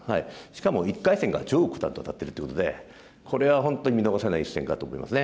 しかも１回戦が張栩九段と当たってるということでこれは本当に見逃せない一戦かと思います。